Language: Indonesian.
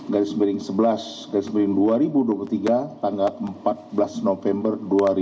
garis miring sebelas garis miring dua ribu dua puluh tiga tanggal empat belas november dua ribu dua puluh